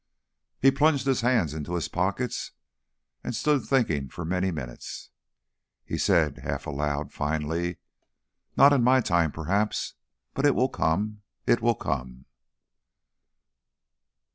He plunged his hands into his pockets and stood thinking for many minutes. He said, half aloud, finally, "Not in my time, perhaps. But it will come, it will come."